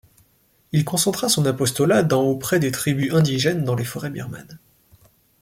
Il concentra son apostolat dans auprès des tribus indigènes dans les forêts birmanes.